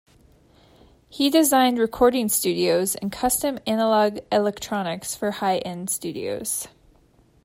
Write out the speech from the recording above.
He designed recording studios and custom analog electronics for high end studios.